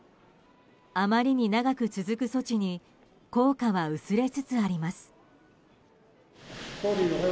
あまりに長く続く措置に効果は薄れつつあります。